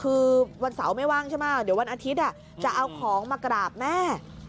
คือวันเสาร์ไม่ว่างใช่ไหมเดี๋ยววันอาทิตย์จะเอาของมากราบแม่